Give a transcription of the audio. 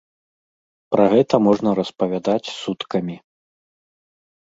Пра гэта можна распавядаць суткамі.